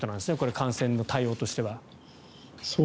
感染の対応としては。